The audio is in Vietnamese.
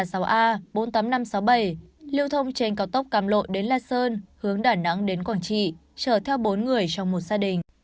lưu thông trên cao tốc càm lộ đến la sơn hướng đà nẵng đến quảng trị chở theo bốn người trong một gia đình